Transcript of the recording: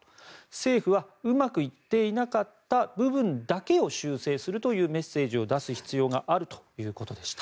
政府はうまくいっていなかった部分だけを修正するというメッセージを出す必要があるということでした。